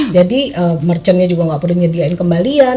jadi merchantnya juga nggak perlu menyediakan kembalian